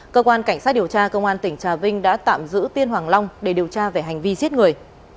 cơ quan cảnh sát điều tra công an tỉnh trà vinh đã tạm giữ tiên hoàng long để điều tra về hành vi giết người